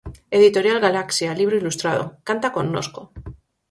Editorial Galaxia, Libro Ilustrado. "Canta connosco".